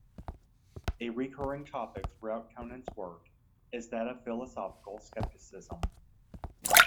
A recurring topic throughout Conant's work is that of philosophical skepticism.